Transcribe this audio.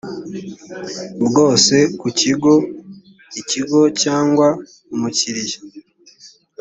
bwose ku kigo ikigo cyangwa umukiriya